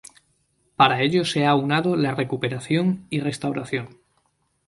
Para ello se han aunado la recuperación y restauración.